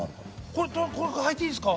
これ履いていいですか？